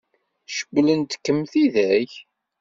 Cewwlent-kem tidak?